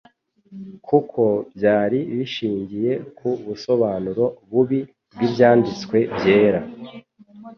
kuko byari bishingiye ku busobanuro bubi bw'Ibyanditswe Byera.